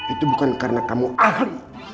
itu bukan karena kamu ahli